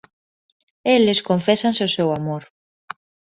Eles confésanse o seu amor.